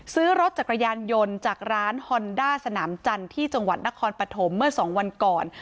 ซื้อรถจักรยานยนต์จากร้านฮอนด้าสนามจันทร์ที่จังหวัดนครปฐมเมื่อ๒วันก่อน